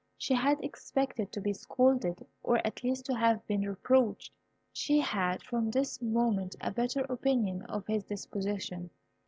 She had expected to be scolded, or at least to have been reproached. She had from this moment a better opinion of his disposition.